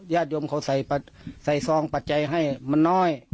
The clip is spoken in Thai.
ญาติโยมเขาใส่ซองปัจจัยให้มันน้อย